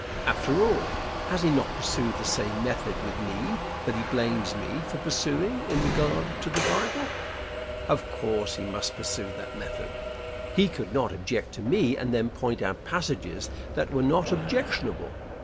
After all, has he not pursued the same method with me that he blames me for pursuing in regard to the Bible? Of course he must pursue that method. He could not object to me and then point out passages that were not objectionable.